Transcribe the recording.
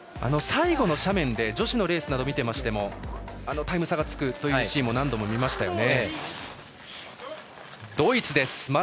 最後の斜面で女子のレースなど見ていましてもタイム差がつくシーンを何度も見ました。